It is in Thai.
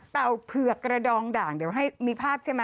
เต่าเผือกกระดองด่างเดี๋ยวให้มีภาพใช่ไหม